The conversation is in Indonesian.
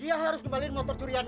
dia harus kembaliin motor curiannya